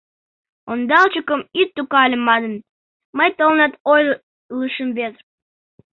— Ондалчыкым ит тӱкале манын, мый тыланет ойлышым вет.